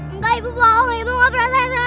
enggak ibu bohong ibu nggak pernah sayang sama tufa